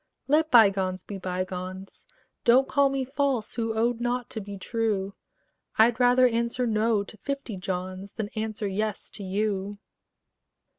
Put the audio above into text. Let bygones be bygones: Don't call me false, who owed not to be true: I'd rather answer "No" to fifty Johns Than answer "Yes" to you.